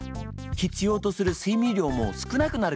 必要とする睡眠量も少なくなるからだにゃー。